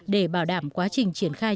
để bảo đảm quá trình triển khai